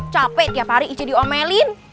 capek tiap hari ija diomelin